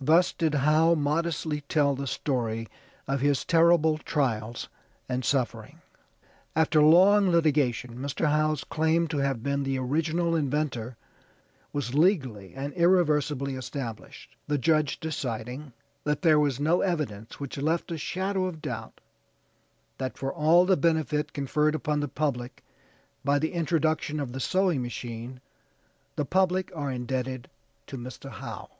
Thus did Howe modestly tell the story of his terrible trials and suffering. After long litigation Mr. Howe's claim to have been the original inventor was legally and irreversibly established, the judge deciding, "that there was no evidence which left a shadow of doubt that for all the benefit conferred upon the public by the introduction of the sewing machine the public are indebted to Mr. Howe."